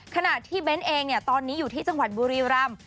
ขณะที่เบ้นเองตอนนี้อยู่ที่จังหวัดบุรีรำ